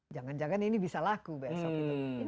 jangan jangan ini bisa laku besok gitu